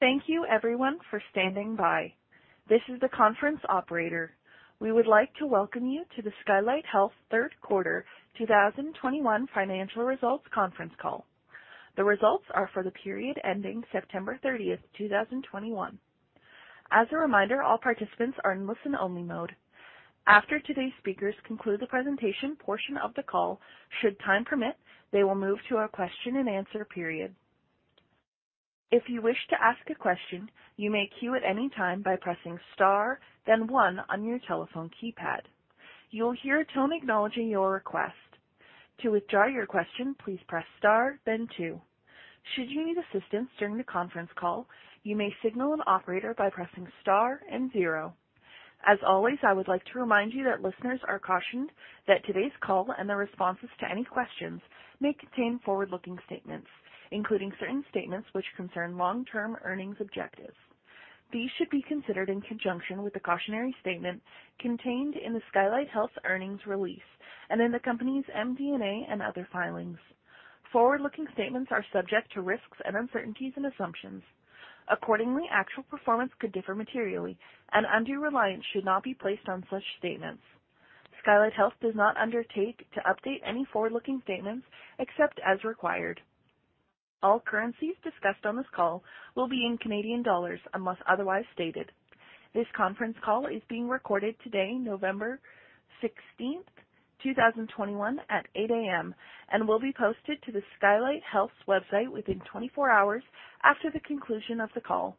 Thank you everyone for standing by. This is the conference operator. We would like to welcome you to the Skylight Health Third Quarter 2021 Financial Results Conference Call. The results are for the period ending September 30, 2021. As a reminder, all participants are in listen-only mode. After today's speakers conclude the presentation portion of the call, should time permit, they will move to a question-and-answer period. If you wish to ask a question, you may queue at any time by pressing star then one on your telephone keypad. You will hear a tone acknowledging your request. To withdraw your question, please press star then two. Should you need assistance during the conference call, you may signal an operator by pressing star and zero. As always, I would like to remind you that listeners are cautioned that today's call and the responses to any questions may contain forward-looking statements, including certain statements which concern long-term earnings objectives. These should be considered in conjunction with the cautionary statement contained in the Skylight Health earnings release and in the company's MD&A and other filings. Forward-looking statements are subject to risks and uncertainties and assumptions. Accordingly, actual performance could differ materially, and undue reliance should not be placed on such statements. Skylight Health does not undertake to update any forward-looking statements except as required. All currencies discussed on this call will be in Canadian dollars unless otherwise stated. This conference call is being recorded today, November 16th, 2021 at 8 A.M., and will be posted to the Skylight Health's website within 24 hours after the conclusion of the call.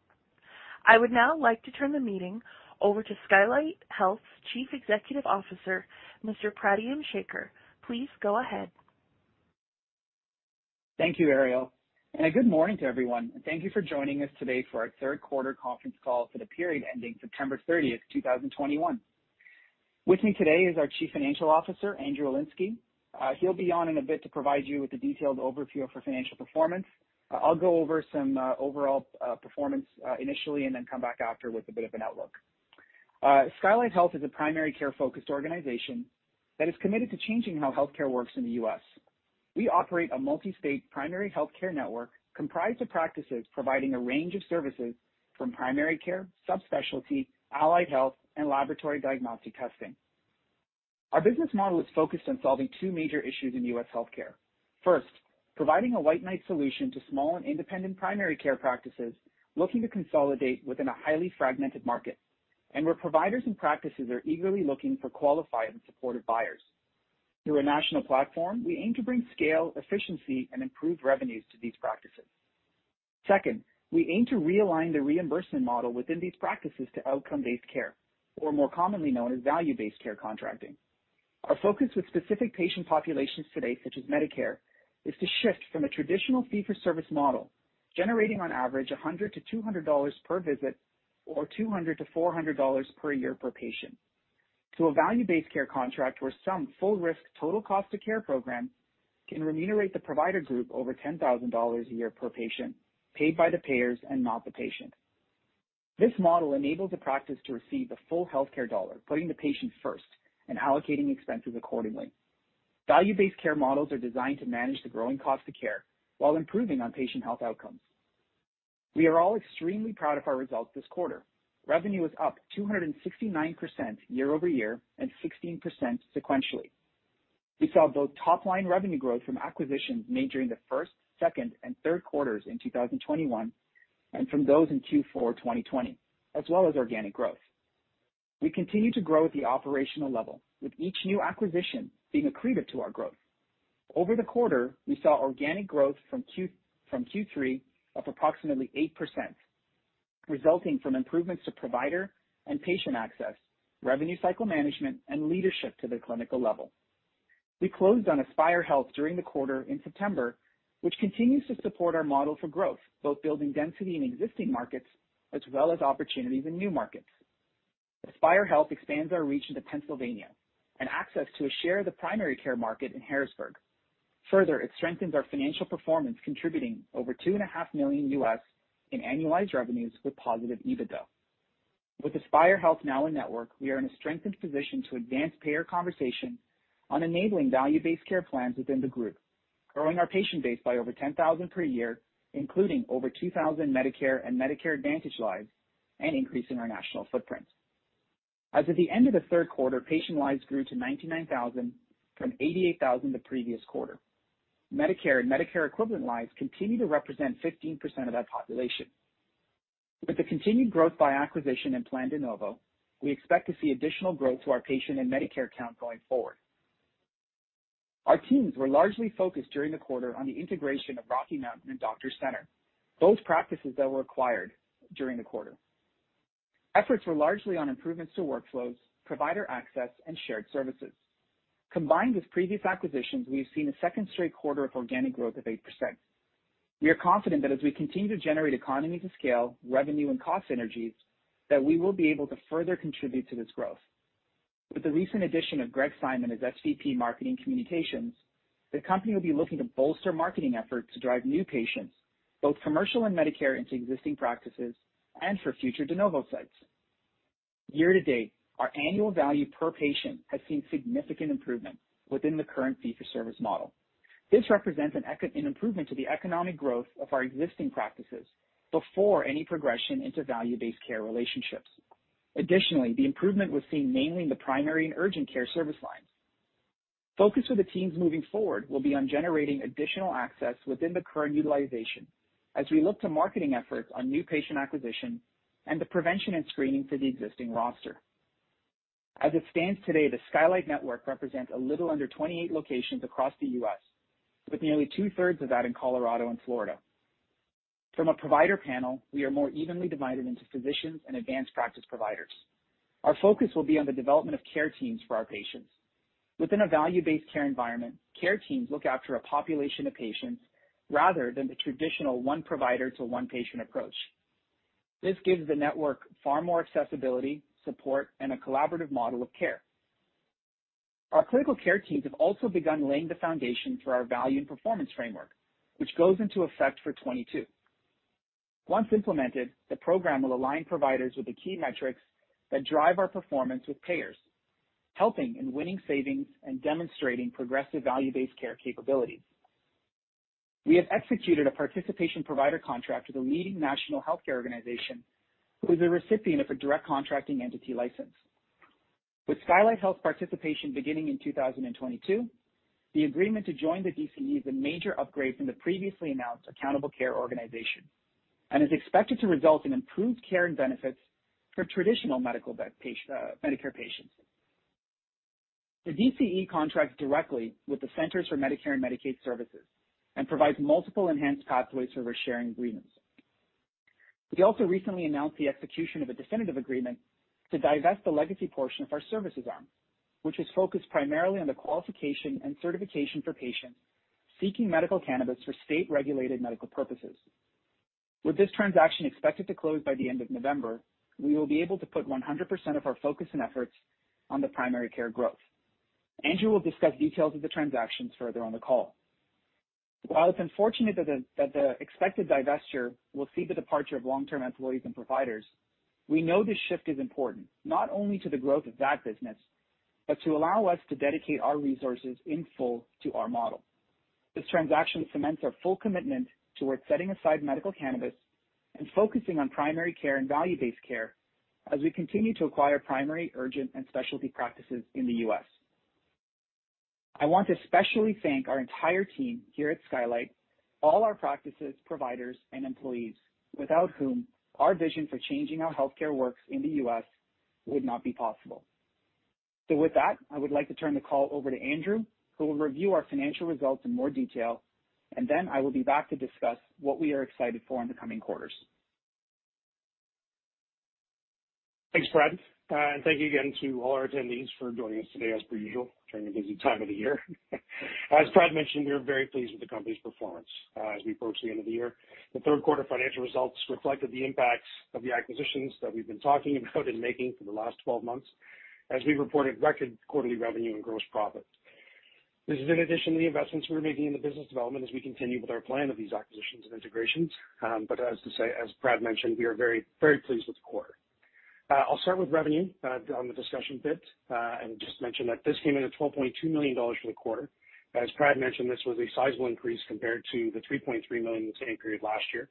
I would now like to turn the meeting over to Skylight Health's Chief Executive Officer, Mr. Pradyum Sekar. Please go ahead. Thank you, Ariel, and good morning to everyone. Thank you for joining us today for our third quarter conference call for the period ending September 30, 2021. With me today is our Chief Financial Officer, Andrew Elinesky. He'll be on in a bit to provide you with a detailed overview of our financial performance. I'll go over some overall performance initially, and then come back after with a bit of an outlook. Skylight Health is a primary care-focused organization that is committed to changing how healthcare works in the U.S. We operate a multi-state primary healthcare network comprised of practices providing a range of services from primary care, subspecialty, allied health, and laboratory diagnostic testing. Our business model is focused on solving two major issues in U.S. healthcare. First, providing a white knight solution to small and independent primary care practices looking to consolidate within a highly fragmented market and where providers and practices are eagerly looking for qualified and supported buyers. Through a national platform, we aim to bring scale, efficiency and improved revenues to these practices. Second, we aim to realign the reimbursement model within these practices to outcome-based care, or more commonly known as value-based care contracting. Our focus with specific patient populations today, such as Medicare, is to shift from a traditional fee-for-service model, generating on average 100-200 dollars per visit or 200-400 dollars per year per patient, to a value-based care contract where some full risk total cost of care program can remunerate the provider group over 10,000 dollars a year per patient, paid by the payers and not the patient. This model enables a practice to receive the full healthcare dollar, putting the patient first and allocating expenses accordingly. Value-based care models are designed to manage the growing cost of care while improving on patient health outcomes. We are all extremely proud of our results this quarter. Revenue was up 269% year-over-year and 16% sequentially. We saw both top-line revenue growth from acquisitions made during the first, second, and third quarters in 2021 and from those in Q4 2020, as well as organic growth. We continue to grow at the operational level, with each new acquisition being accretive to our growth. Over the quarter, we saw organic growth from Q3 of approximately 8%, resulting from improvements to provider and patient access, revenue cycle management, and leadership to the clinical level. We closed on Aspire Health during the quarter in September, which continues to support our model for growth, both building density in existing markets as well as opportunities in new markets. Aspire Health expands our reach into Pennsylvania and access to a share of the primary care market in Harrisburg. Further, it strengthens our financial performance, contributing over $2.5 million in annualized revenues with positive EBITDA. With Aspire Health now in network, we are in a strengthened position to advance payer conversations on enabling value-based care plans within the group, growing our patient base by over 10,000 per year, including over 2,000 Medicare and Medicare Advantage lives, and increasing our national footprint. As of the end of the third quarter, patient lives grew to 99,000 from 88,000 the previous quarter. Medicare and Medicare equivalent lives continue to represent 15% of that population. With the continued growth by acquisition and plan de novo, we expect to see additional growth to our patient and Medicare count going forward. Our teams were largely focused during the quarter on the integration of Rocky Mountain and Doctors Center, both practices that were acquired during the quarter. Efforts were largely on improvements to workflows, provider access, and shared services. Combined with previous acquisitions, we have seen a second straight quarter of organic growth of 8%. We are confident that as we continue to generate economies of scale, revenue, and cost synergies that we will be able to further contribute to this growth. With the recent addition of Greg Simon as SVP Marketing Communications, the company will be looking to bolster marketing efforts to drive new patients, both commercial and Medicare, into existing practices and for future de novo sites. Year-to-date, our annual value per patient has seen significant improvement within the current fee-for-service model. This represents an improvement to the economic growth of our existing practices before any progression into value-based care relationships. Additionally, the improvement was seen mainly in the primary and urgent care service lines. Focus for the teams moving forward will be on generating additional access within the current utilization as we look to marketing efforts on new patient acquisition and the prevention and screening for the existing roster. As it stands today, the Skylight network represents a little under 28 locations across the U.S., with nearly two-thirds of that in Colorado and Florida. From a provider panel, we are more evenly divided into physicians and advanced practice providers. Our focus will be on the development of care teams for our patients. Within a value-based care environment, care teams look after a population of patients rather than the traditional one provider to one patient approach. This gives the network far more accessibility, support, and a collaborative model of care. Our clinical care teams have also begun laying the foundation for our value and performance framework, which goes into effect for 2022. Once implemented, the program will align providers with the key metrics that drive our performance with payers, helping in winning savings and demonstrating progressive value-based care capabilities. We have executed a participation provider contract with a leading national healthcare organization who is a recipient of a direct contracting entity license. With Skylight Health participation beginning in 2022, the agreement to join the DCE is a major upgrade from the previously announced Accountable Care Organization and is expected to result in improved care and benefits for traditional Medicare patients. The DCE contracts directly with the Centers for Medicare & Medicaid Services and provides multiple enhanced pathway service sharing agreements. We also recently announced the execution of a definitive agreement to divest the legacy portion of our services arm, which is focused primarily on the qualification and certification for patients seeking medical cannabis for state-regulated medical purposes. With this transaction expected to close by the end of November, we will be able to put 100% of our focus and efforts on the primary care growth. Andrew will discuss details of the transactions further on the call. While it's unfortunate that the expected divestiture will see the departure of long-term employees and providers, we know this shift is important not only to the growth of that business, but to allow us to dedicate our resources in full to our model. This transaction cements our full commitment towards setting aside medical cannabis and focusing on primary care and value-based care as we continue to acquire primary, urgent, and specialty practices in the U.S. I want to especially thank our entire team here at Skylight, all our practices, providers, and employees, without whom our vision for changing how healthcare works in the U.S. would not be possible. With that, I would like to turn the call over to Andrew, who will review our financial results in more detail, and then I will be back to discuss what we are excited for in the coming quarters. Thanks, Prad, and thank you again to all our attendees for joining us today as per usual during a busy time of the year. As Prad mentioned, we are very pleased with the company's performance as we approach the end of the year. The third quarter financial results reflected the impacts of the acquisitions that we've been talking about and making for the last 12 months as we reported record quarterly revenue and gross profit. This is in addition to the investments we're making in the business development as we continue with our plan of these acquisitions and integrations. As Prad mentioned, we are very, very pleased with the quarter. I'll start with revenue in the discussion and just mention that this came in at 12.2 million dollars for the quarter. As Prad mentioned, this was a sizable increase compared to the 3.3 million in the same period last year.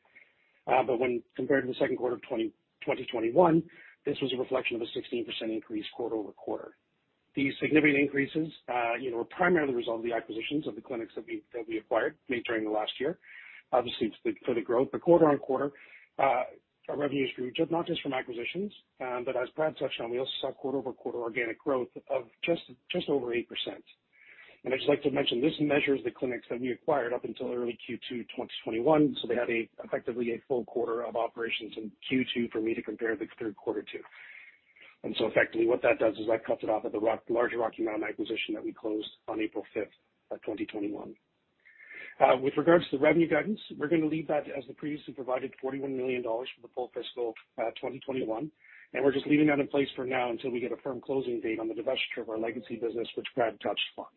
When compared to the second quarter of 2021, this was a reflection of a 16% increase quarter-over-quarter. These significant increases, you know, were primarily a result of the acquisitions of the clinics that we acquired, made during the last year, obviously for the growth. Quarter-over-quarter, our revenue is driven not just from acquisitions, but as Prad touched on, we also saw quarter-over-quarter organic growth of just over 8%. I'd just like to mention, this measures the clinics that we acquired up until early Q2 2021, so they had effectively a full quarter of operations in Q2 for me to compare the third quarter to. Effectively what that does is that cuts it off at the Rocky Mountain acquisition that we closed on April 5, 2021. With regards to the revenue guidance, we're gonna leave that as the previously provided 41 million dollars for the full fiscal 2021, and we're just leaving that in place for now until we get a firm closing date on the divestiture of our legacy business, which Prad touched upon.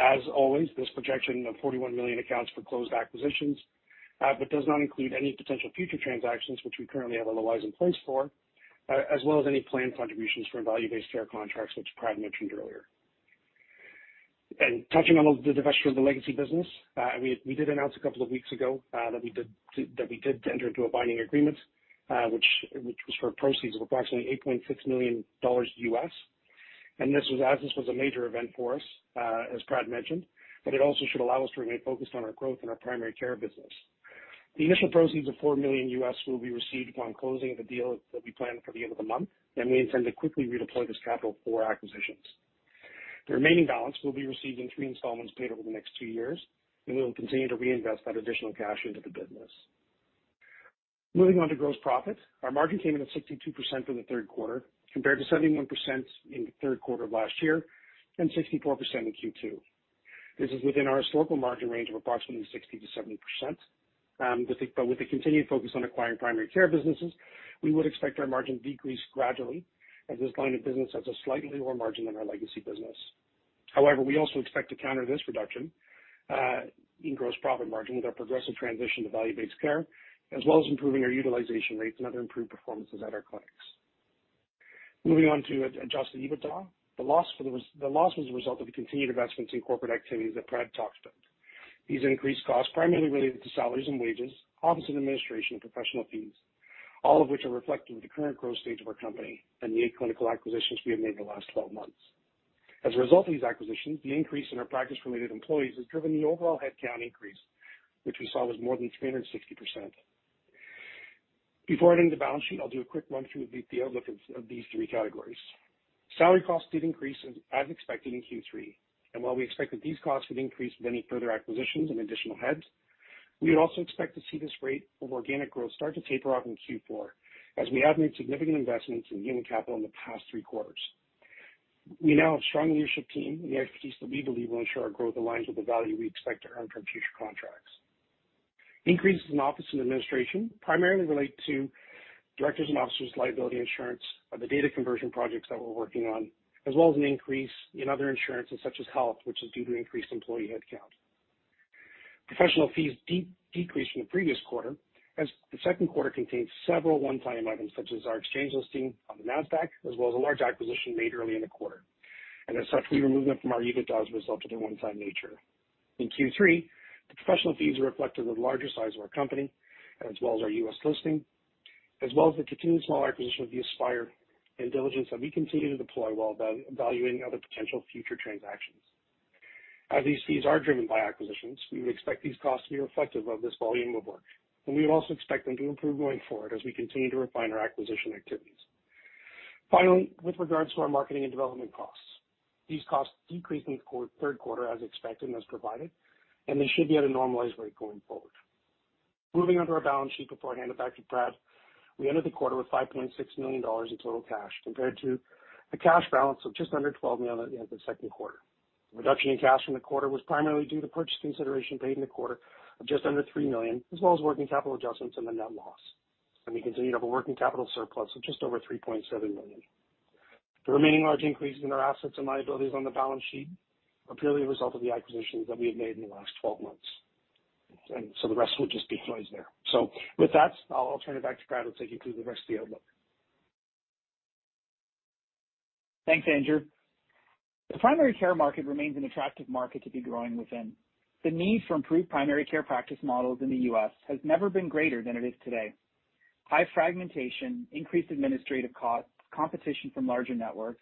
As always, this projection of 41 million accounts for closed acquisitions, but does not include any potential future transactions which we currently have LOIs in place for, as well as any planned contributions for value-based care contracts, which Prad mentioned earlier. Touching on the divestiture of the legacy business, we did announce a couple of weeks ago that we did enter into a binding agreement which was for proceeds of approximately $8.6 million. This was a major event for us, as Prad mentioned, but it also should allow us to remain focused on our growth in our primary care business. The initial proceeds of $4 million will be received upon closing of the deal that we plan for the end of the month, and we intend to quickly redeploy this capital for acquisitions. The remaining balance will be received in three installments paid over the next two years, and we will continue to reinvest that additional cash into the business. Moving on to gross profit. Our margin came in at 62% for the third quarter, compared to 71% in the third quarter of last year, and 64% in Q2. This is within our historical margin range of approximately 60%-70%, but with the continued focus on acquiring primary care businesses, we would expect our margin to decrease gradually as this line of business has a slightly lower margin than our legacy business. However, we also expect to counter this reduction in gross profit margin with our progressive transition to value-based care, as well as improving our utilization rates and other improved performances at our clinics. Moving on to adjusted EBITDA. The loss was a result of the continued investments in corporate activities that Prad talked about. These increased costs primarily related to salaries and wages, office and administration, and professional fees, all of which are reflective of the current growth stage of our company and the clinical acquisitions we have made in the last 12 months. As a result of these acquisitions, the increase in our practice-related employees has driven the overall headcount increase, which we saw was more than 360%. Before I end the balance sheet, I'll do a quick run through of the outlook of these three categories. Salary costs did increase as expected in Q3, and while we expect that these costs would increase with any further acquisitions and additional heads, we would also expect to see this rate of organic growth start to taper off in Q4 as we have made significant investments in human capital in the past three quarters. We now have a strong leadership team and the expertise that we believe will ensure our growth aligns with the value we expect to earn from future contracts. Increases in office and administration primarily relate to directors' and officers' liability insurance of the data conversion projects that we're working on, as well as an increase in other insurances such as health, which is due to increased employee headcount. Professional fees decreased from the previous quarter as the second quarter contained several one-time items such as our exchange listing on the Nasdaq, as well as a large acquisition made early in the quarter. As such, we removed them from our EBITDAs as a result of their one-time nature. In Q3, the professional fees reflected the larger size of our company as well as our U.S. listing, as well as the continued small acquisition of the Aspire and diligence that we continue to deploy while valuing other potential future transactions. As these fees are driven by acquisitions, we would expect these costs to be reflective of this volume of work, and we would also expect them to improve going forward as we continue to refine our acquisition activities. Finally, with regards to our marketing and development costs, these costs decreased in the third quarter as expected and as provided, and they should be at a normalized rate going forward. Moving on to our balance sheet before I hand it back to Prad. We ended the quarter with 5.6 million dollars in total cash compared to a cash balance of just under 12 million at the end of the second quarter. The reduction in cash from the quarter was primarily due to purchase consideration paid in the quarter of just under 3 million, as well as working capital adjustments and the net loss, and we continue to have a working capital surplus of just over 3.7 million. The remaining large increase in our assets and liabilities on the balance sheet are purely a result of the acquisitions that we have made in the last 12 months. The rest will just be noise there. With that, I'll turn it back to Prad, who'll take you through the rest of the outlook. Thanks, Andrew. The primary care market remains an attractive market to be growing within. The need for improved primary care practice models in the U.S. has never been greater than it is today. High fragmentation, increased administrative costs, competition from larger networks,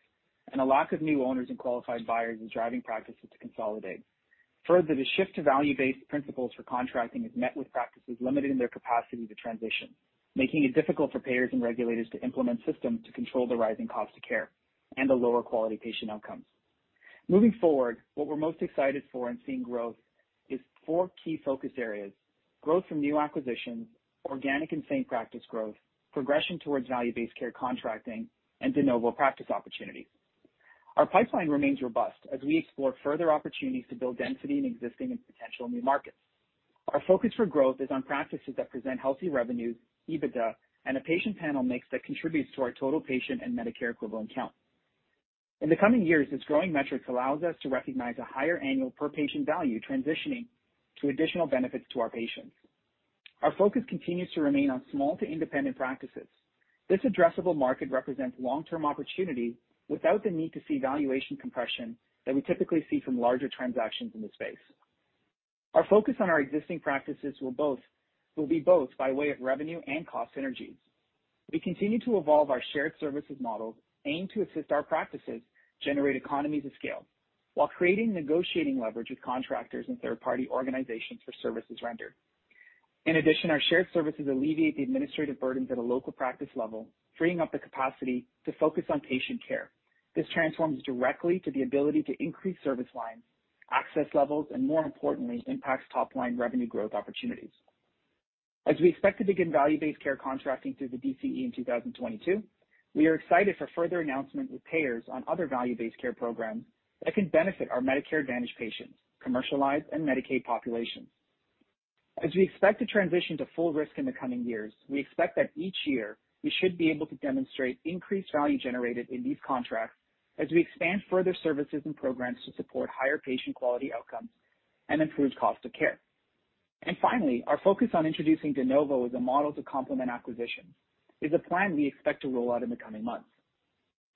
and a lack of new owners and qualified buyers is driving practices to consolidate. Further, the shift to value-based principles for contracting has met with practices limiting their capacity to transition, making it difficult for payers and regulators to implement systems to control the rising cost of care and the lower quality patient outcomes. Moving forward, what we're most excited for in seeing growth is four key focus areas. Growth from new acquisitions, organic and same practice growth, progression towards value-based care contracting, and de novo practice opportunities. Our pipeline remains robust as we explore further opportunities to build density in existing and potential new markets. Our focus for growth is on practices that present healthy revenues, EBITDA, and a patient panel mix that contributes to our total patient and Medicare equivalent count. In the coming years, this growing metrics allows us to recognize a higher annual per-patient value transitioning to additional benefits to our patients. Our focus continues to remain on small to independent practices. This addressable market represents long-term opportunity without the need to see valuation compression that we typically see from larger transactions in the space. Our focus on our existing practices will be both by way of revenue and cost synergies. We continue to evolve our shared services models aimed to assist our practices generate economies of scale while creating negotiating leverage with contractors and third-party organizations for services rendered. In addition, our shared services alleviate the administrative burdens at a local practice level, freeing up the capacity to focus on patient care. This transforms directly to the ability to increase service lines, access levels, and more importantly, impacts top-line revenue growth opportunities. As we expect to begin value-based care contracting through the DCE in 2022, we are excited for further announcement with payers on other value-based care programs that can benefit our Medicare Advantage patients, commercial and Medicaid populations. As we expect to transition to full risk in the coming years, we expect that each year we should be able to demonstrate increased value generated in these contracts as we expand further services and programs to support higher patient quality outcomes and improved cost of care. Finally, our focus on introducing de novo as a model to complement acquisitions is a plan we expect to roll out in the coming months.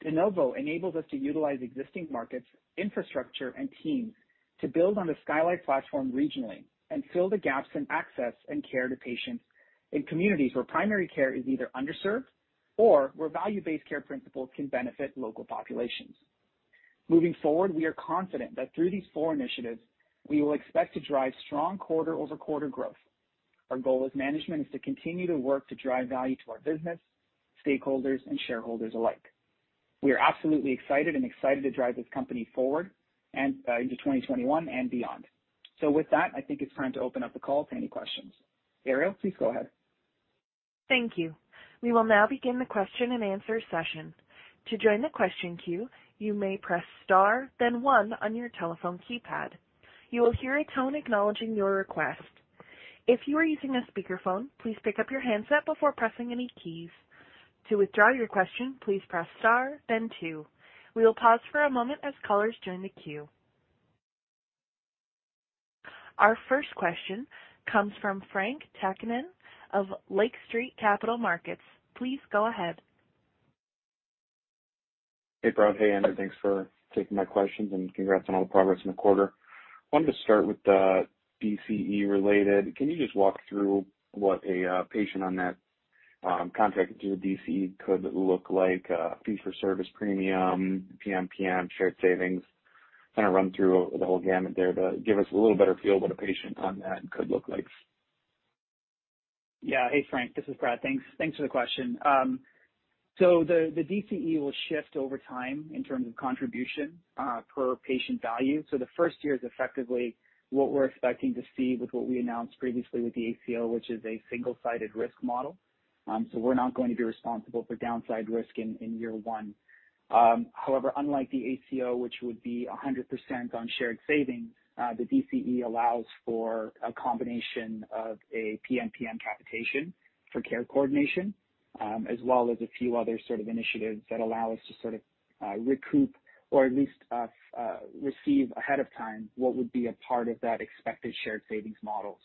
De novo enables us to utilize existing markets, infrastructure, and teams to build on the Skylight platform regionally and fill the gaps in access and care to patients in communities where primary care is either underserved or where value-based care principles can benefit local populations. Moving forward, we are confident that through these four initiatives, we will expect to drive strong quarter-over-quarter growth. Our goal as management is to continue to work to drive value to our business, stakeholders, and shareholders alike. We are absolutely excited to drive this company forward and into 2021 and beyond. With that, I think it's time to open up the call to any questions. Ariel, please go ahead. Thank you. We will now begin the Q&A session. To join the question queue, you may press star then one on your telephone keypad. You will hear a tone acknowledging your request. Our first question comes from Frank Takkinen of Lake Street Capital Markets. Please go ahead. Hey, Prad. Hey, Andrew. Thanks for taking my questions, and congrats on all the progress in the quarter. I wanted to start with the DCE related. Can you just walk through what a patient on that contract to the DCE could look like? Fee for service premium, PMPM, shared savings. Kinda run through the whole gamut there to give us a little better feel what a patient on that could look like. Hey, Frank, this is Prad. Thanks for the question. The DCE will shift over time in terms of contribution per patient value. The first year is effectively what we're expecting to see with what we announced previously with the ACO, which is a single-sided risk model. We're not going to be responsible for downside risk in year one. However, unlike the ACO, which would be 100% on shared savings, the DCE allows for a combination of a PMPM capitation for care coordination, as well as a few other sort of initiatives that allow us to sort of recoup or at least receive ahead of time what would be a part of that expected shared savings model.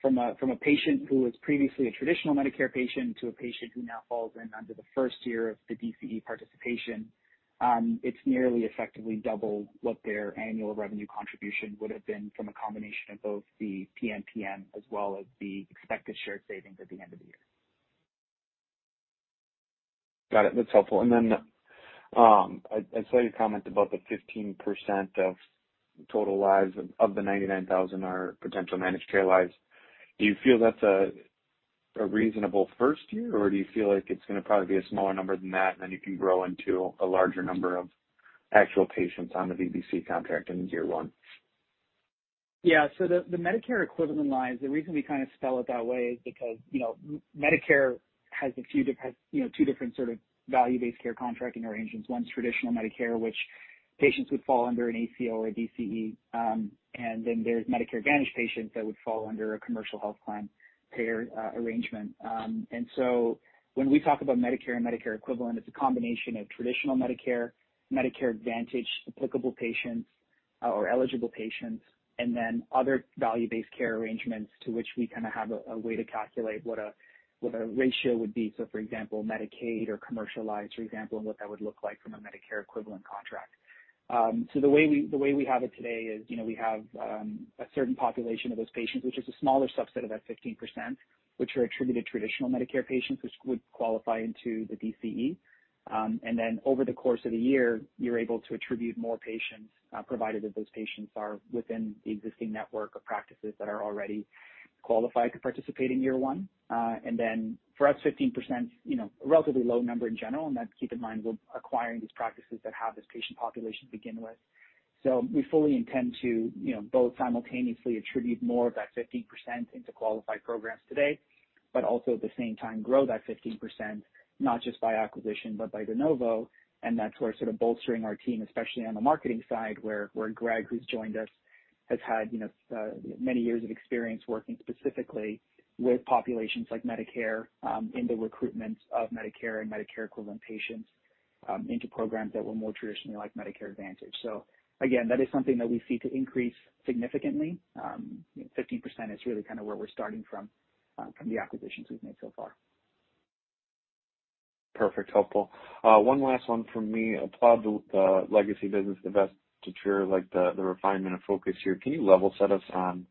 From a patient who was previously a traditional Medicare patient to a patient who now falls in under the first year of the DCE participation, it's nearly effectively double what their annual revenue contribution would have been from a combination of both the PMPM as well as the expected shared savings at the end of the year. Got it. That's helpful. I saw you comment about the 15% of total lives, of the 99,000 are potential managed care lives. Do you feel that's a reasonable first year, or do you feel like it's gonna probably be a smaller number than that, and then you can grow into a larger number of actual patients on the VBC contract in year one? Yeah. The Medicare equivalent lines, the reason we kind of spell it that way is because, you know, Medicare has, you know, two different sort of value-based care contracting arrangements. One's traditional Medicare, which patients would fall under an ACO or a DCE. There's Medicare Advantage patients that would fall under a commercial health plan payer arrangement. When we talk about Medicare and Medicare equivalent, it's a combination of traditional Medicare Advantage, applicable patients or eligible patients, and then other value-based care arrangements to which we kind of have a way to calculate what a ratio would be. For example, Medicaid or commercial, for example, and what that would look like from a Medicare equivalent contract. The way we have it today is, you know, we have a certain population of those patients, which is a smaller subset of that 15%, which are attributed traditional Medicare patients, which would qualify into the DCE. Over the course of the year, you're able to attribute more patients, provided that those patients are within the existing network of practices that are already qualified to participate in year one. For us, 15%, you know, a relatively low number in general, and that's, keep in mind, we're acquiring these practices that have this patient population to begin with. We fully intend to, you know, both simultaneously attribute more of that 15% into qualified programs today, but also at the same time, grow that 15%, not just by acquisition, but by de novo, and that's where sort of bolstering our team, especially on the marketing side, where Greg, who's joined us, has had, you know, many years of experience working specifically with populations like Medicare, in the recruitment of Medicare and Medicare equivalent patients, into programs that were more traditionally like Medicare Advantage. Again, that is something that we see to increase significantly. 15% is really kind of where we're starting from the acquisitions we've made so far. Perfect. Helpful. One last one from me. Applaud the legacy business divestiture, like the refinement of focus here. Can you level set us on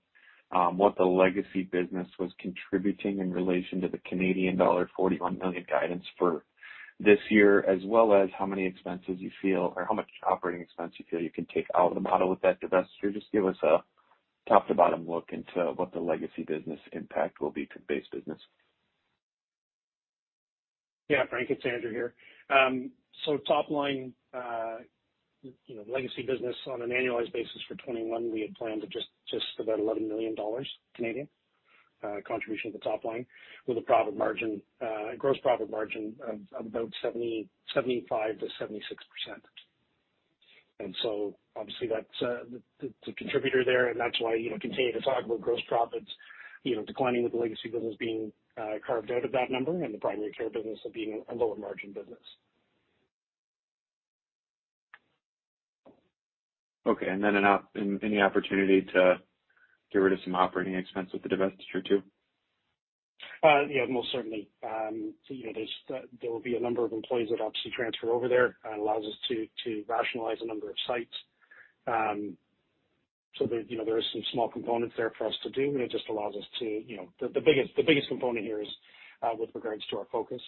what the legacy business was contributing in relation to the Canadian dollar 41 million guidance for this year, as well as how many expenses you feel or how much operating expense you feel you can take out of the model with that divestiture? Just give us a top to bottom look into what the legacy business impact will be to base business. Yeah. Frank, it's Andrew here. So top line, you know, legacy business on an annualized basis for 2021, we had planned at just about 11 million Canadian dollars contribution to the top line with a gross profit margin of about 75%-76%. Obviously that's the contributor there, and that's why, you know, continue to talk about gross profits, you know, declining with the legacy business being carved out of that number and the primary care business being a lower margin business. Okay. Any opportunity to get rid of some operating expense with the divestiture, too? Yeah, most certainly. You know, there will be a number of employees that obviously transfer over there. It allows us to rationalize a number of sites. You know, there is some small components there for us to do, and it just allows us to, you know. The biggest component here is with regards to our focus.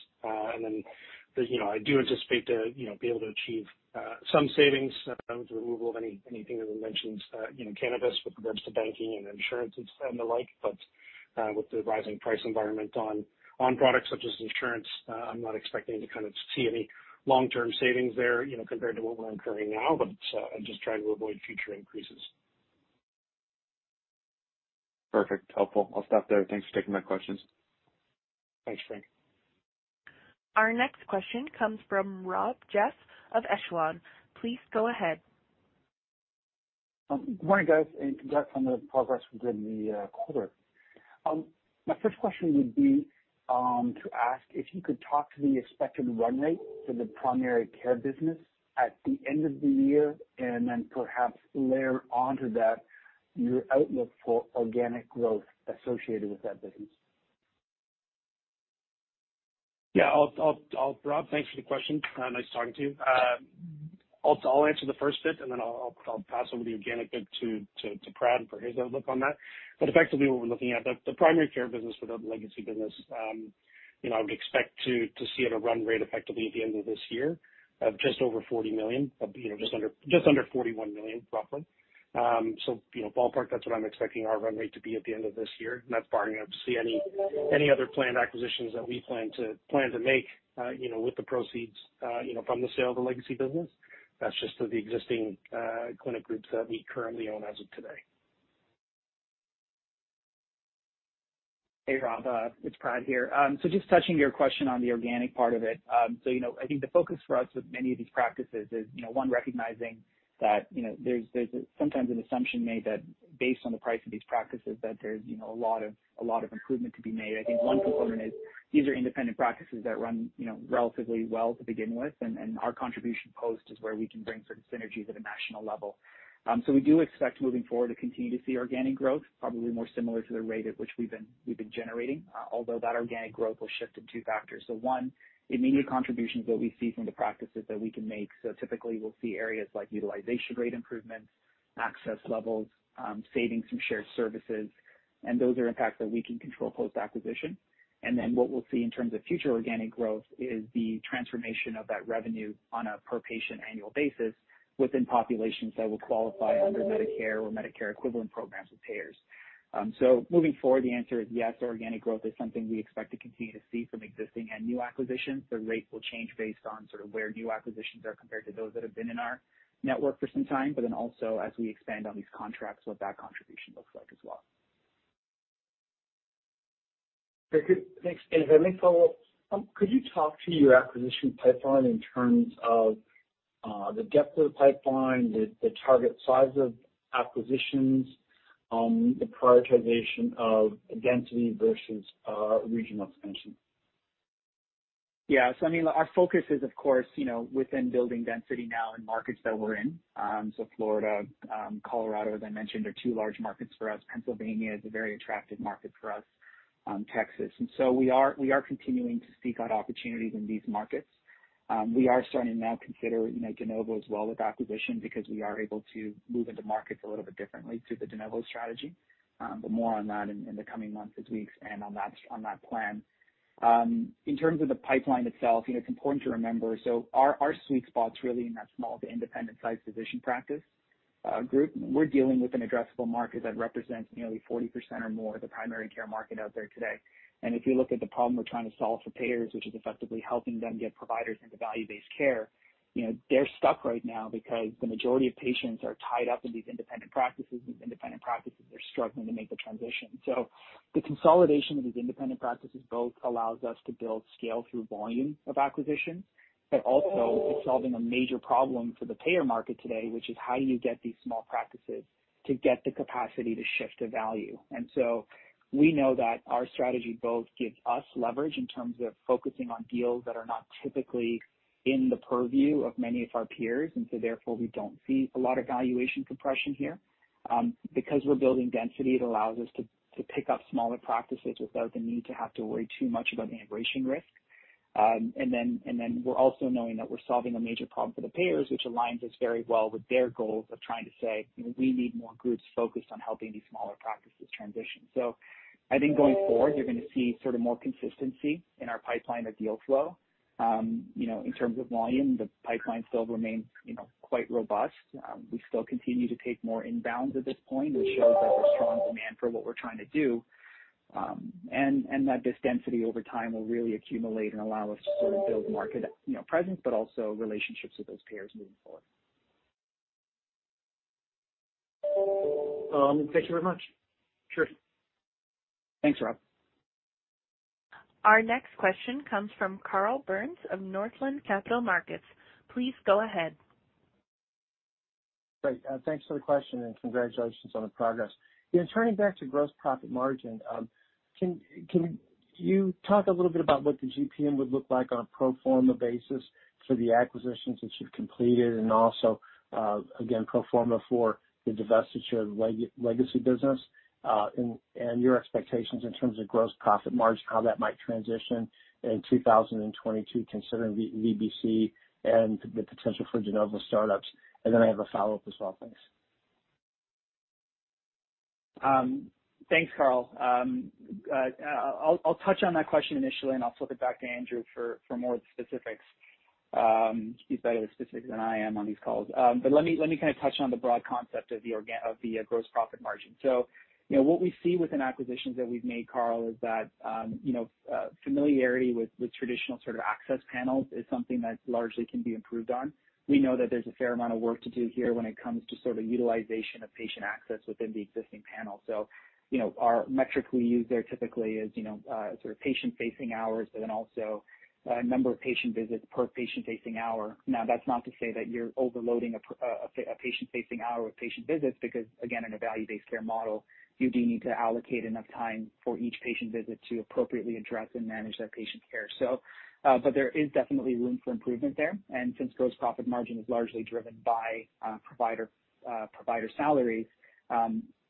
I do anticipate to be able to achieve some savings with the removal of anything that we mentioned, you know, cannabis with regards to banking and insurances and the like. With the rising price environment on products such as insurance, I'm not expecting to kind of see any long-term savings there, you know, compared to what we're incurring now. I'm just trying to avoid future increases. Perfect. Helpful. I'll stop there. Thanks for taking my questions. Thanks, Frank. Our next question comes from Rob Goff of Echelon. Please go ahead. Good morning, guys, and congrats on the progress within the quarter. My first question would be to ask if you could talk to the expected run rate for the primary care business at the end of the year and then perhaps layer onto that your outlook for organic growth associated with that business. I'll Rob, thanks for the question. Nice talking to you. I'll answer the first bit, and then I'll pass over the organic bit to Prad for his outlook on that. But effectively, what we're looking at, the primary care business for the legacy business, you know, I would expect to see at a run rate effectively at the end of this year of just over 40 million. You know, just under 41 million, roughly. So, you know, ballpark, that's what I'm expecting our run rate to be at the end of this year. And that's barring, obviously, any other planned acquisitions that we plan to make, you know, with the proceeds, you know, from the sale of the legacy business. That's just of the existing clinic groups that we currently own as of today. Hey, Rob. It's Prad here. Just touching your question on the organic part of it. You know, I think the focus for us with many of these practices is, you know, one, recognizing that, you know, there's sometimes an assumption made that based on the price of these practices, that there's, you know, a lot of improvement to be made. I think one component is these are independent practices that run, you know, relatively well to begin with. And our contribution post is where we can bring certain synergies at a national level. We do expect moving forward to continue to see organic growth, probably more similar to the rate at which we've been generating, although that organic growth will shift in two factors. One, immediate contributions that we see from the practices that we can make. Typically, we'll see areas like utilization rate improvements, access levels, savings from shared services. Those are impacts that we can control post-acquisition. Then what we'll see in terms of future organic growth is the transformation of that revenue on a per-patient annual basis within populations that will qualify under Medicare or Medicare equivalent programs with payers. Moving forward, the answer is yes, organic growth is something we expect to continue to see from existing and new acquisitions. The rate will change based on sort of where new acquisitions are compared to those that have been in our network for some time, but then also as we expand on these contracts, what that contribution looks like as well. Very good. Thanks. If I may follow up, could you talk to your acquisition pipeline in terms of the depth of the pipeline, the target size of acquisitions, the prioritization of density versus regional expansion? Yeah. I mean, our focus is, of course, you know, within building density now in markets that we're in. Florida, Colorado, as I mentioned, are two large markets for us. Pennsylvania is a very attractive market for us. Texas. We are continuing to seek out opportunities in these markets. We are starting to now consider, you know, de novo as well with acquisition because we are able to move into markets a little bit differently through the de novo strategy. More on that in the coming months as we expand on that plan. In terms of the pipeline itself, you know, it's important to remember, our sweet spot's really in that small to independent-sized physician practice group. We're dealing with an addressable market that represents nearly 40% or more of the primary care market out there today. If you look at the problem we're trying to solve for payers, which is effectively helping them get providers into value-based care, you know, they're stuck right now because the majority of patients are tied up in these independent practices. These independent practices are struggling to make the transition. The consolidation of these independent practices both allows us to build scale through volume of acquisitions, but also it's solving a major problem for the payer market today, which is how do you get these small practices to get the capacity to shift to value. We know that our strategy both gives us leverage in terms of focusing on deals that are not typically in the purview of many of our peers, and so therefore we don't see a lot of valuation compression here. Because we're building density, it allows us to pick up smaller practices without the need to have to worry too much about the integration risk. And then we're also knowing that we're solving a major problem for the payers, which aligns us very well with their goals of trying to say, "You know, we need more groups focused on helping these smaller practices transition." I think going forward, you're gonna see sort of more consistency in our pipeline of deal flow. You know, in terms of volume, the pipeline still remains, you know, quite robust. We still continue to take more inbounds at this point, which shows that there's strong demand for what we're trying to do. That this density over time will really accumulate and allow us to sort of build market, you know, presence, but also relationships with those payers moving forward. Thank you very much. Sure. Thanks, Rob. Our next question comes from Carl Byrnes of Northland Capital Markets. Please go ahead. Great. Thanks for the question and congratulations on the progress. You know, turning back to gross profit margin, can you talk a little bit about what the GPM would look like on a pro forma basis for the acquisitions that you've completed and also, again, pro forma for the divestiture of legacy business, and your expectations in terms of gross profit margin, how that might transition in 2022, considering VBC and the potential for de novo startups? Then I have a follow-up as well. Thanks. Thanks, Carl. I'll touch on that question initially, and I'll flip it back to Andrew for more of the specifics. He's better with specifics than I am on these calls. Let me kind of touch on the broad concept of the gross profit margin. You know, what we see within acquisitions that we've made, Carl, is that familiarity with traditional sort of access panels is something that largely can be improved on. We know that there's a fair amount of work to do here when it comes to sort of utilization of patient access within the existing panel. You know, our metric we use there typically is sort of patient-facing hours, but then also number of patient visits per patient-facing hour. Now, that's not to say that you're overloading a patient-facing hour with patient visits because again, in a value-based care model, you do need to allocate enough time for each patient visit to appropriately address and manage that patient care. There is definitely room for improvement there. Since gross profit margin is largely driven by provider salary,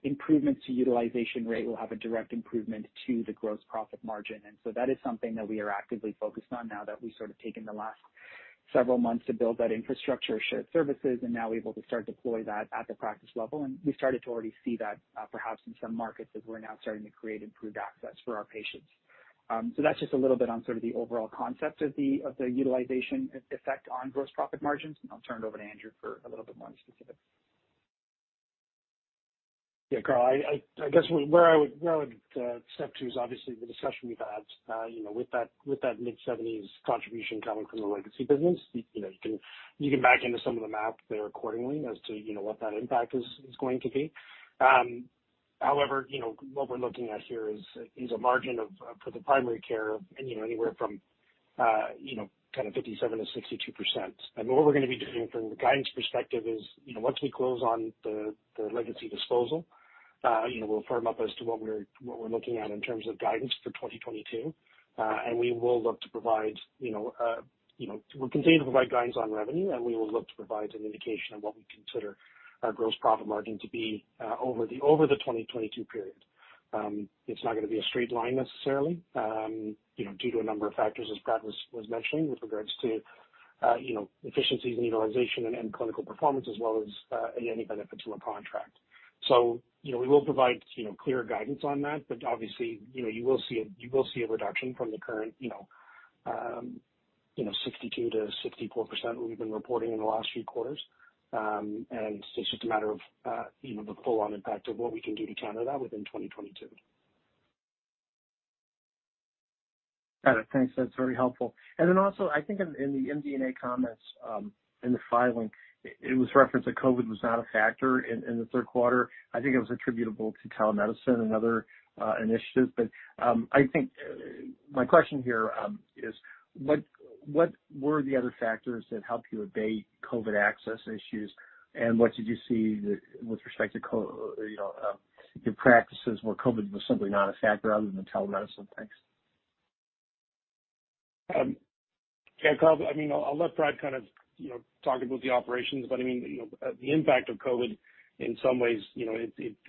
improvements to utilization rate will have a direct improvement to the gross profit margin. That is something that we are actively focused on now that we've sort of taken the last several months to build that infrastructure, shared services, and now we're able to start deploy that at the practice level. We started to already see that, perhaps in some markets as we're now starting to create improved access for our patients. That's just a little bit on sort of the overall concept of the utilization effect on gross profit margins, and I'll turn it over to Andrew for a little bit more on specifics. Yeah, Carl, I guess where I would step to is obviously the discussion we've had, you know, with that mid-seventies contribution coming from the Legacy business. You know, you can back into some of the math there accordingly as to, you know, what that impact is going to be. However, you know, what we're looking at here is a margin of for the primary care of, you know, anywhere from, you know, kind of 57%-62%. What we're gonna be doing from the guidance perspective is, you know, once we close on the Legacy disposal, you know, we'll firm up as to what we're looking at in terms of guidance for 2022. We will look to provide, you know, we'll continue to provide guidance on revenue, and we will look to provide an indication of what we consider our gross profit margin to be, over the 2022 period. It's not gonna be a straight line necessarily, you know, due to a number of factors as Prad was mentioning with regards to, you know, efficiencies and utilization and clinical performance as well as any benefits from a contract. We will provide, you know, clearer guidance on that, but obviously, you know, you will see a reduction from the current, you know, 62%-64% what we've been reporting in the last few quarters. It's just a matter of, you know, the full on impact of what we can do to counter that within 2022. Got it. Thanks. That's very helpful. Then also I think in the MD&A comments in the filing, it was referenced that COVID was not a factor in the third quarter. I think it was attributable to telemedicine and other initiatives. I think my question here is what were the other factors that helped you abate COVID access issues, and what did you see with respect to COVID your practices where COVID was simply not a factor other than the telemedicine? Thanks. Yeah, Carl, I mean, I'll let Prad kind of, you know, talk about the operations, but I mean, you know, the impact of COVID in some ways, you know,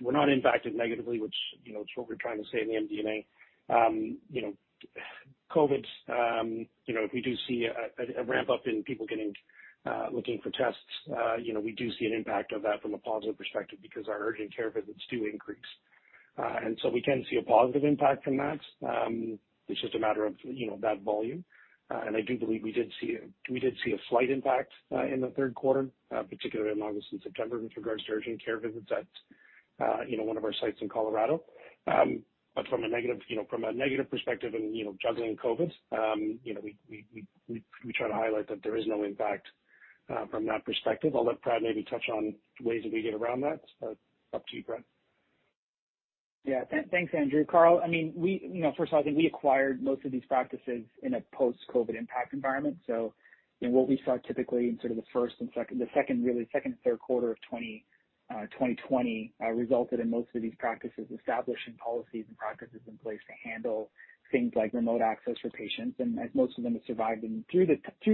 we're not impacted negatively, which, you know, it's what we're trying to say in the MD&A. You know, COVID, you know, if we do see a ramp up in people getting, looking for tests, you know, we do see an impact of that from a positive perspective because our urgent care visits do increase. And so we can see a positive impact from that. It's just a matter of, you know, that volume. I do believe we did see a slight impact in the third quarter, particularly in August and September with regards to urgent care visits at one of our sites in Colorado. But from a negative perspective and juggling COVID, we try to highlight that there is no impact from that perspective. I'll let Prad maybe touch on ways that we get around that, but up to you, Prad. Thanks, Andrew. Carl, I mean, you know, first I think we acquired most of these practices in a post-COVID impact environment. You know, what we saw typically in sort of the first and second, really the second and third quarter of 2020 resulted in most of these practices establishing policies and practices in place to handle things like remote access for patients. And as most of them have survived through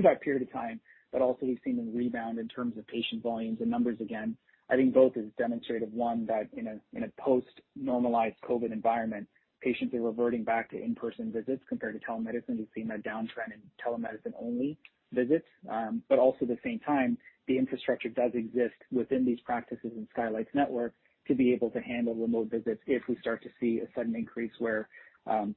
that period of time, but also we've seen them rebound in terms of patient volumes and numbers again. I think this is demonstrative one that in a post-normalized COVID environment, patients are reverting back to in-person visits compared to telemedicine. We've seen a downtrend in telemedicine-only visits. The infrastructure does exist within these practices and Skylight's network to be able to handle remote visits if we start to see a sudden increase where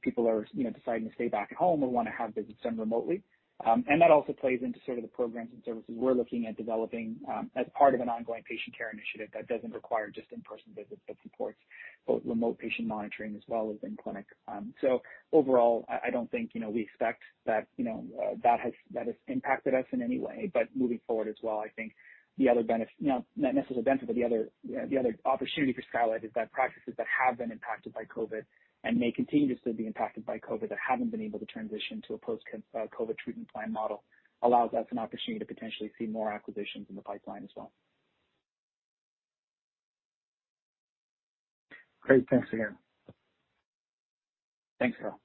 people are, you know, deciding to stay back at home or wanna have visits done remotely. That also plays into sort of the programs and services we're looking at developing as part of an ongoing patient care initiative that doesn't require just in-person visits, but supports both remote patient monitoring as well as in-clinic. Overall, I don't think, you know, we expect that, you know, that has impacted us in any way, but moving forward as well, I think the other opportunity for Skylight is that practices that have been impacted by COVID and may continue to still be impacted by COVID that haven't been able to transition to a post-COVID treatment plan model allows us an opportunity to potentially see more acquisitions in the pipeline as well. Great. Thanks again. Thanks, Carl.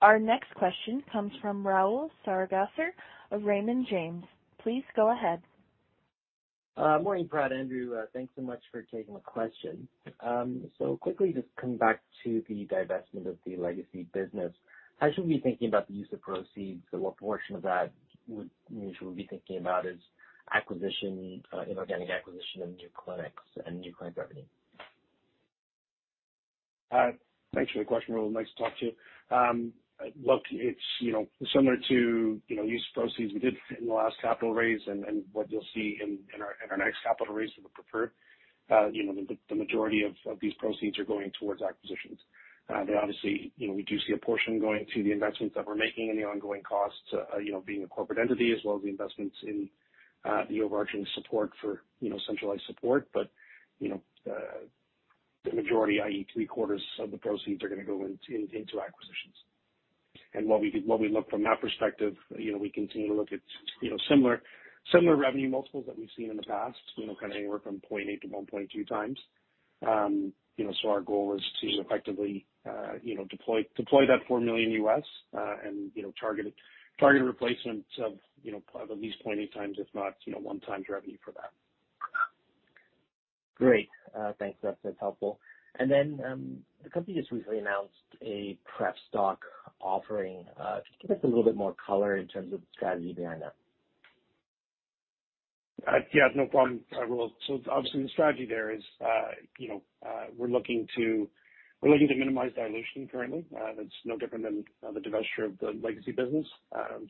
Our next question comes from Rahul Sarugaser of Raymond James. Please go ahead. Morning, Prad, Andrew. Thanks so much for taking the question. Quickly just coming back to the divestment of the Legacy business, how should we be thinking about the use of proceeds, or what portion of that would we be thinking about as acquisition, inorganic acquisition of new clinics and new clinic revenue? Thanks for the question, Rahul. Nice to talk to you. Look, it's, you know, similar to, you know, use of proceeds we did in the last capital raise and what you'll see in our next capital raise of the preferred. You know, the majority of these proceeds are going towards acquisitions. Obviously, you know, we do see a portion going to the investments that we're making and the ongoing costs, you know, being a corporate entity as well as the investments in the overarching support for, you know, centralized support. You know, the majority, i.e., three quarters of the proceeds are gonna go into acquisitions. What we look from that perspective, you know, we continue to look at, you know, similar revenue multiples that we've seen in the past. You know, kind of anywhere from 0.8x-1.2x. Our goal is to effectively, you know, deploy that $4 million, and targeted replacements of at least 0.8x, if not 1x revenue for that. Great. Thanks. That's helpful. The company just recently announced a pref stock offering. Can you give us a little bit more color in terms of the strategy behind that? Yeah, no problem, Rahul. So obviously the strategy there is, you know, we're looking to minimize dilution currently. That's no different than the divestiture of the legacy business.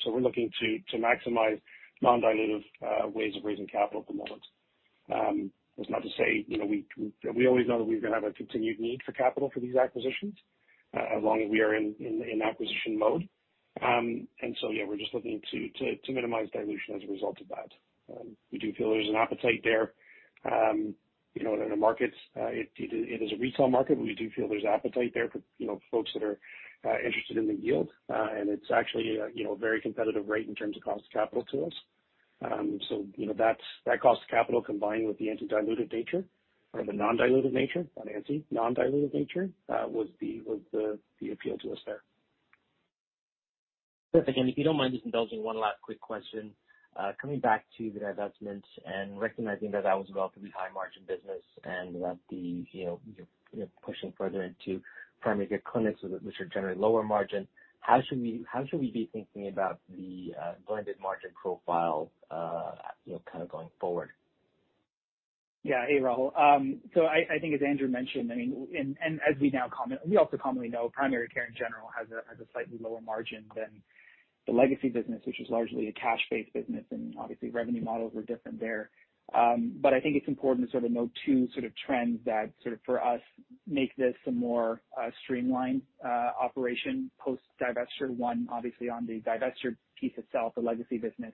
So we're looking to maximize non-dilutive ways of raising capital at the moment. That's not to say, you know, we always know that we're gonna have a continued need for capital for these acquisitions, as long as we are in acquisition mode. Yeah, we're just looking to minimize dilution as a result of that. We do feel there's an appetite there. You know, in the markets, it is a retail market, but we do feel there's appetite there for, you know, folks that are interested in the yield. It's actually a you know very competitive rate in terms of cost of capital to us. That cost of capital combined with the non-dilutive nature was the appeal to us there. Perfect. If you don't mind just indulging one last quick question. Coming back to the divestment and recognizing that that was a relatively high margin business and that, you know, you're pushing further into primary care clinics, so that, which are generally lower margin, how should we be thinking about the blended margin profile, you know, kind of going forward? Yeah. Hey, Rahul. I think as Andrew mentioned, I mean, as we also commonly know, primary care in general has a slightly lower margin than the legacy business, which is largely a cash-based business, and obviously revenue models are different there. I think it's important to sort of note two sort of trends that sort of for us make this a more streamlined operation post divestiture. One, obviously on the divestiture piece itself, the legacy business.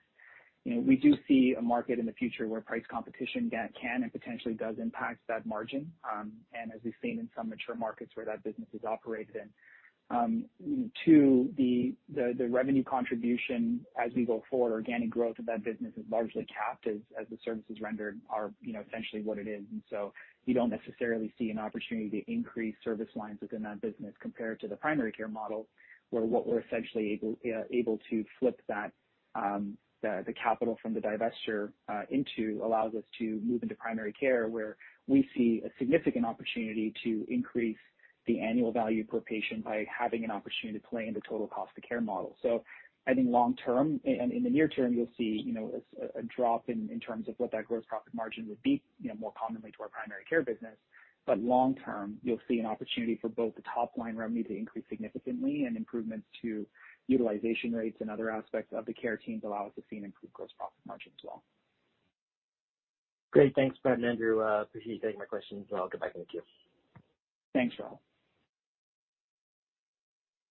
You know, we do see a market in the future where price competition can and potentially does impact that margin, and as we've seen in some mature markets where that business is operated in. Two. The revenue contribution as we go forward, organic growth of that business is largely capped as the services rendered are, you know, essentially what it is. You don't necessarily see an opportunity to increase service lines within that business compared to the primary care model, where what we're essentially able to flip the capital from the divestiture into allows us to move into primary care, where we see a significant opportunity to increase the annual value per patient by having an opportunity to play in the total cost of care model. I think long term and in the near term, you'll see, you know, a drop in terms of what that gross profit margin would be, you know, more commonly to our primary care business. Long term, you'll see an opportunity for both the top line revenue to increase significantly and improvements to utilization rates and other aspects of the care teams allow us to see an improved gross profit margin as well. Great. Thanks, Prad and Andrew. I appreciate you taking my questions, and I'll get back in the queue. Thanks, Rahul.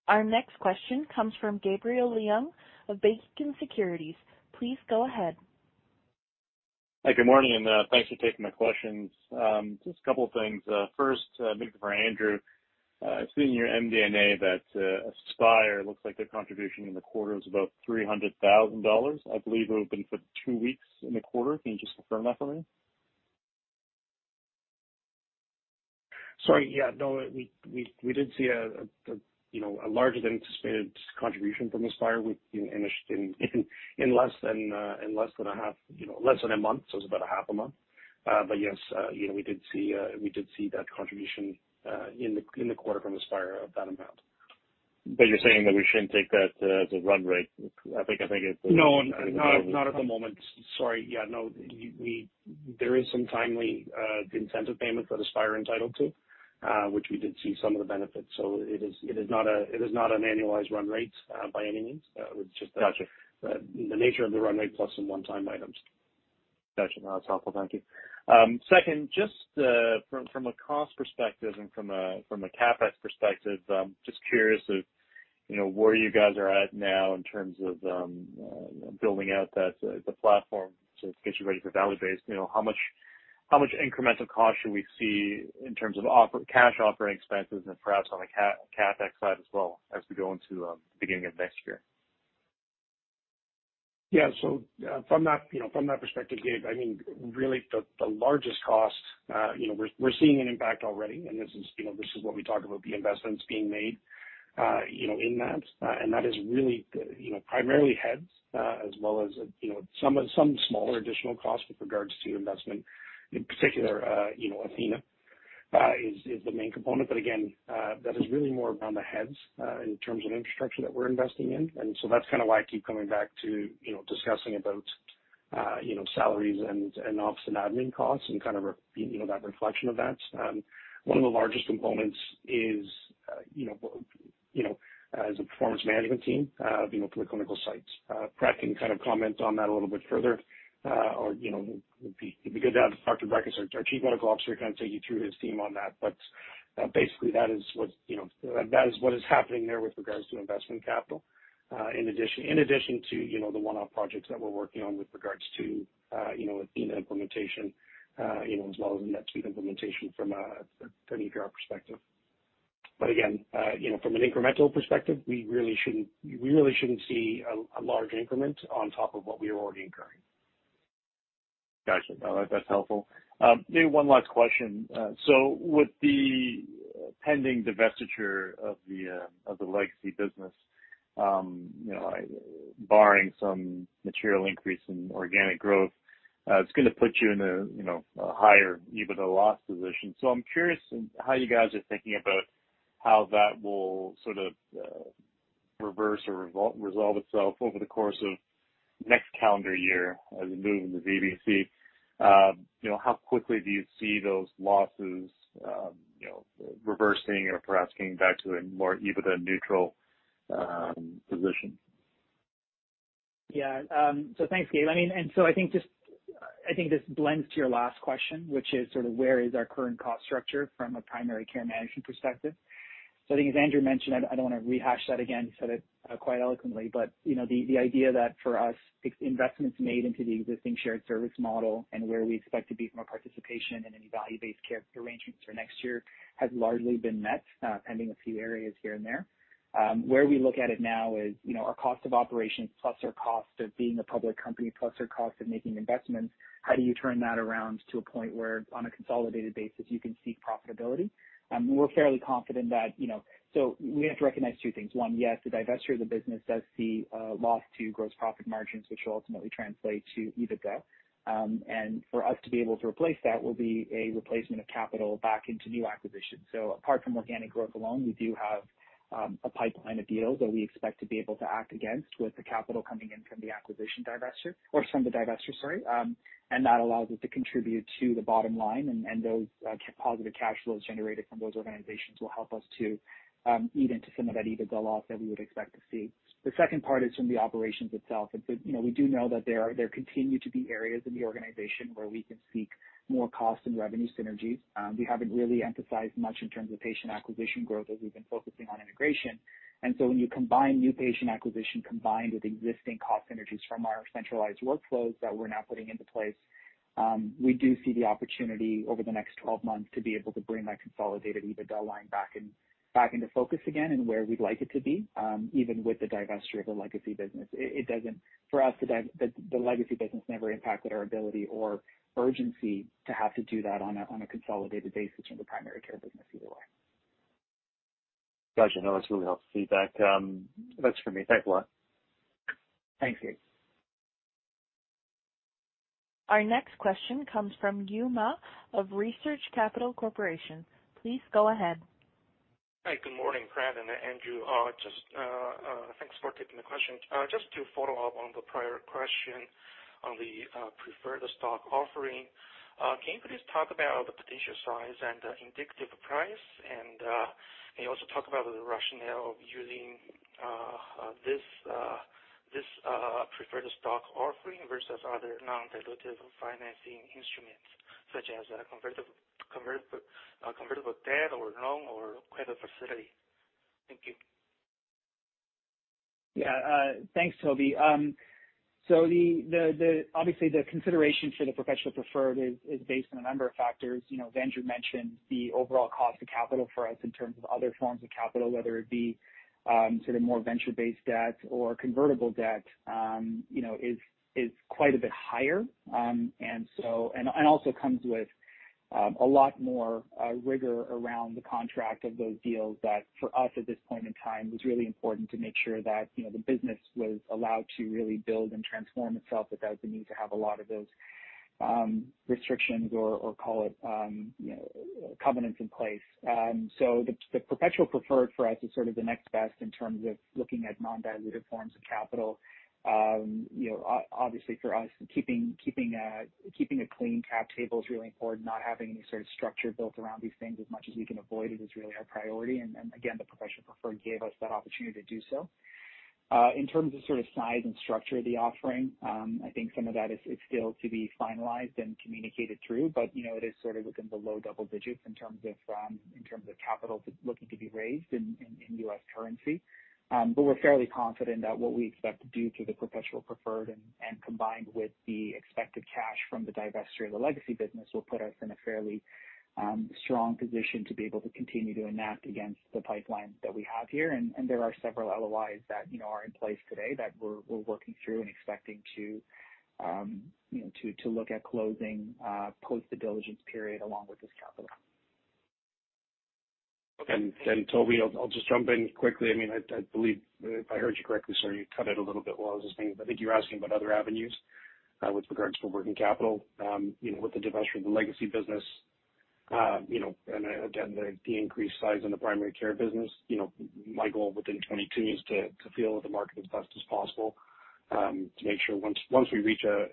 Our next question comes from Gabriel Leung of Beacon Securities. Please go ahead. Hi, good morning, and thanks for taking my questions. Just a couple things. First, maybe for Andrew. I've seen in your MD&A that Aspire looks like their contribution in the quarter was about 300,000 dollars. I believe it would have been for two weeks in the quarter. Can you just confirm that for me? Sorry. Yeah, no, we did see a larger than anticipated contribution from Aspire within less than half a month, you know, less than half a month, so it was about half a month. But yes, you know, we did see that contribution in the quarter from Aspire of that amount. You're saying that we shouldn't take that as a run rate. I think it- No, not at the moment. Sorry. Yeah, no, there is some timely incentive payment that Aspire entitled to, which we did see some of the benefits. It is not an annualized run rate by any means. It's just the- Gotcha. The nature of the run rate plus some one-time items. Gotcha. No, that's helpful. Thank you. Second, just from a cost perspective and from a CapEx perspective, just curious of, you know, where you guys are at now in terms of building out the platform to get you ready for value-based. You know, how much incremental cost should we see in terms of operating cash operating expenses and perhaps on the CapEx side as well as we go into the beginning of next year? From that perspective, Gabe, I mean, really the largest cost, you know, we're seeing an impact already, and this is what we talk about the investments being made, you know, in that. That is really, you know, primarily heads, as well as, you know, some smaller additional costs with regards to investment. In particular, you know, Athena is the main component. Again, that is really more around the heads, in terms of infrastructure that we're investing in. That's kind of why I keep coming back to, you know, discussing about you know, salaries and office and admin costs and kind of you know, that reflection of that. One of the largest components is, you know, as a performance management team, you know, for the clinical sites. Prad can kind of comment on that a little bit further, or, you know, it'd be good to have Dr. Brekhus, our Chief Medical Officer kind of take you through his team on that. Basically that is what is happening there with regards to investment capital. In addition to the one-off projects that we're working on with regards to Athena implementation, you know, as well as NetSuite implementation from an ERP perspective. Again, you know, from an incremental perspective, we really shouldn't see a large increment on top of what we are already incurring. Gotcha. All right. That's helpful. Maybe one last question. With the pending divestiture of the Legacy business, you know, barring some material increase in organic growth, it's gonna put you in a, you know, a higher EBITDA loss position. I'm curious how you guys are thinking about how that will sort of reverse or resolve itself over the course of next calendar year as we move into VBC. You know, how quickly do you see those losses, you know, reversing or perhaps getting back to a more EBITDA neutral position? Thanks, Gabe. I mean, I think this blends to your last question, which is sort of where is our current cost structure from a primary care management perspective. I think as Andrew mentioned, I don't wanna rehash that again, he said it quite eloquently, but you know, the idea that for us, it's investments made into the existing shared service model and where we expect to be from a participation in any value-based care arrangements for next year has largely been met, pending a few areas here and there. Where we look at it now is, you know, our cost of operations plus our cost of being a public company, plus our cost of making investments, how do you turn that around to a point where on a consolidated basis you can seek profitability? We're fairly confident that, you know, we have to recognize two things. One, yes, the divestiture of the business does see a loss to gross profit margins, which will ultimately translate to EBITDA. For us to be able to replace that will be a replacement of capital back into new acquisitions. Apart from organic growth alone, we do have a pipeline of deals that we expect to be able to act on with the capital coming in from the acquisition divestiture or from the divestiture, sorry. That allows us to contribute to the bottom line and those positive cash flows generated from those organizations will help us to eat into some of that EBITDA loss that we would expect to see. The second part is from the operations itself. You know, we do know that there are, there continue to be areas in the organization where we can seek more cost and revenue synergies. We haven't really emphasized much in terms of patient acquisition growth as we've been focusing on integration. When you combine new patient acquisition combined with existing cost synergies from our centralized workflows that we're now putting into place, we do see the opportunity over the next 12 months to be able to bring that consolidated EBITDA line back into focus again and where we'd like it to be, even with the divestiture of the legacy business. It doesn't, for us, the legacy business never impacted our ability or urgency to have to do that on a consolidated basis in the primary care business either way. Gotcha. No, that's really helpful feedback. That's for me. Thanks a lot. Thanks, Gabe. Our next question comes from Yue Ma of Research Capital Corporation. Please go ahead. Hi. Good morning, Prad and Andrew. Just thanks for taking the question. Just to follow up on the prior question on the preferred stock offering, can you please talk about the potential size and the indicative price and can you also talk about the rationale of using this preferred stock offering versus other non-dilutive financing instruments such as a convertible debt or loan or credit facility? Thank you. Yeah. Thanks, Toby. Obviously the consideration for the perpetual preferred is based on a number of factors. You know, Andrew mentioned the overall cost of capital for us in terms of other forms of capital, whether it be sort of more venture-based debt or convertible debt, you know, is quite a bit higher. Also comes with a lot more rigor around the contract of those deals that for us at this point in time was really important to make sure that, you know, the business was allowed to really build and transform itself without the need to have a lot of those restrictions or call it covenants in place. The perpetual preferred for us is sort of the next best in terms of looking at non-dilutive forms of capital. You know, obviously for us, keeping a clean cap table is really important. Not having any sort of structure built around these things as much as we can avoid it is really our priority. Again, the perpetual preferred gave us that opportunity to do so. In terms of sort of size and structure of the offering, I think some of that is still to be finalized and communicated through. You know, it is sort of within the low double digits in terms of capital looking to be raised in U.S. currency. We're fairly confident that what we expect to do through the perpetual preferred and combined with the expected cash from the divestiture of the legacy business will put us in a fairly strong position to be able to continue to execute against the pipeline that we have here. There are several LOIs that you know are in place today that we're working through and expecting to you know to look at closing post the diligence period along with this capital. Toby, I'll just jump in quickly. I mean, I believe if I heard you correctly, sir, you cut out a little bit while I was just thinking. I think you're asking about other avenues with regards to working capital. You know, with the divestiture of the legacy business, you know, and again, the increased size in the primary care business. You know, my goal within 2022 is to feel out the market as best as possible to make sure once we reach a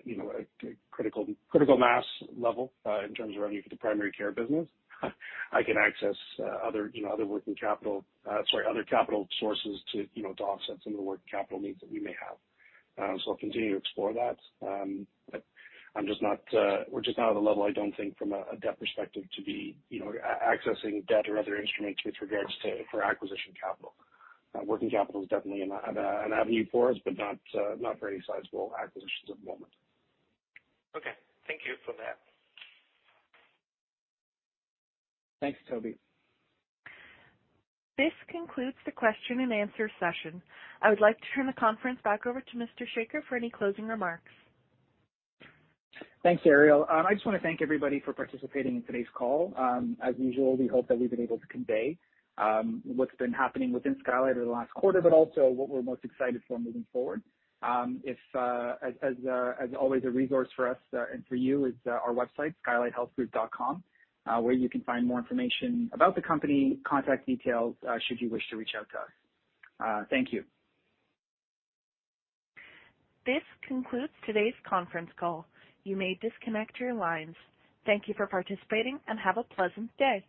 critical mass level in terms of our need for the primary care business, I can access other capital sources to offset some of the working capital needs that we may have. I'll continue to explore that. I'm just not, we're just not at a level I don't think from a debt perspective to be, you know, accessing debt or other instruments with regards to for acquisition capital. Working capital is definitely an avenue for us, but not for any sizable acquisitions at the moment. Okay. Thank you for that. Thanks, Toby. This concludes the Q&A session. I would like to turn the conference back over to Mr. Sekar for any closing remarks. Thanks, Ariel. I just wanna thank everybody for participating in today's call. As usual, we hope that we've been able to convey what's been happening within Skylight over the last quarter, but also what we're most excited for moving forward. As always a resource for us and for you is our website, skylighthealthgroup.com, where you can find more information about the company, contact details, should you wish to reach out to us. Thank you. This concludes today's conference call. You may disconnect your lines. Thank you for participating and have a pleasant day.